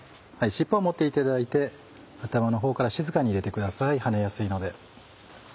尻尾を持っていただいて頭のほうから静かに入れてください跳ねやすいので。